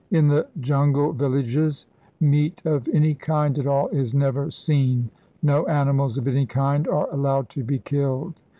In the jungle villages meat of any kind at all is never seen: no animals of any kind are allowed to be killed.